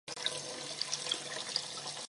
也是原都柏林总教区总主教。